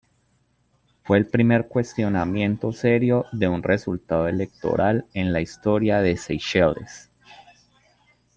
Fue el primer cuestionamiento serio de un resultado electoral en la historia de Seychelles.